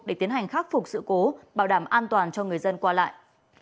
để tiến hành khắc phục sự cố bảo đảm an toàn cho người dân qua lại